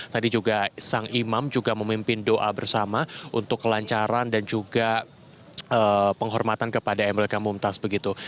tadi juga sang imam juga memimpin doa bersama untuk kelancaran dan juga penghormatan kepada emeril k mumtaz begitu